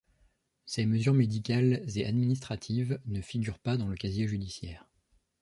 Ces mesures médicales et administratives ne figurent pas dans le casier judiciaire.